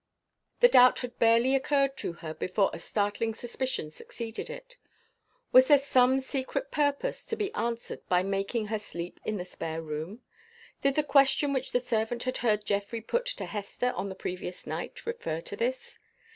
The doubt had barely occurred to her, before a startling suspicion succeeded it. Was there some secret purpose to be answered by making her sleep in the spare room? Did the question which the servant had heard Geoffrey put to Hester, on the previous night, refer to this?